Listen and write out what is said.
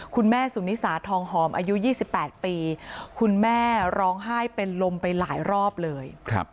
คุณแม่สุนิสาทองหอมอายุ๒๘ปีคุณแม่ร้องไห้เป็นลมไปหลายรอบเลย